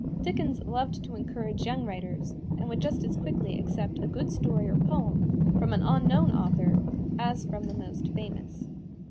Dickens loved to encourage young writers, and would just as quickly accept a good story or poem from an unknown author as from the most famous.